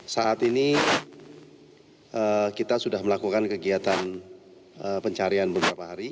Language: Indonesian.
saat ini kita sudah melakukan kegiatan pencarian beberapa hari